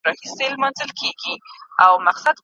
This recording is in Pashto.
حلالولو اجازه باید ورنه کړه سي.